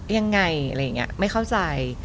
ยังไงไม่เข้าใจ